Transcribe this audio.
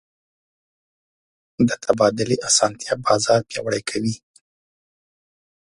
د تبادلې اسانتیا بازار پیاوړی کوي.